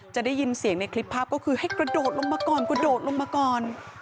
จะได้ยินเสียงในคลิปภาพก็คือให้กระโดดลงมาก่อนกระโดดลงมาก่อน